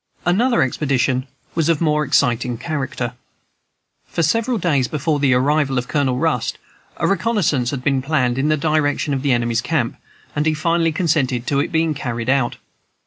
Another expedition was of more exciting character. For several days before the arrival of Colonel Rust a reconnaissance had been planned in the direction of the enemy's camp, and he finally consented to its being carried out.